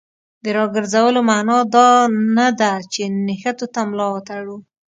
د راګرځولو معنا دا نه ده چې نښتو ته ملا وتړو.